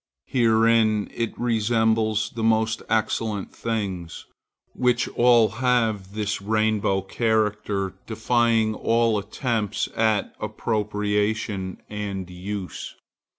Herein it resembles the most excellent things, which all have this rainbow character, defying all attempts at appropriation and use.